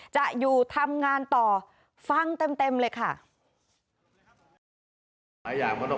จะอยู่ทำงานต่อฟังเต็มเลยค่ะ